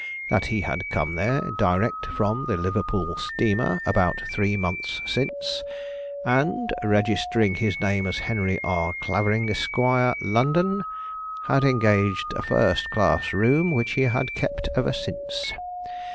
That he had come there, direct from the Liverpool steamer, about three months since, and, registering his name as Henry R. Clavering, Esq., London, had engaged a first class room which he had kept ever since.